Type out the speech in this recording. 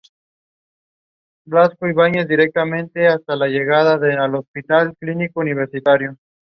He was an expert of radar and sonar.